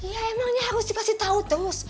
ya emangnya harus dikasih tahu terus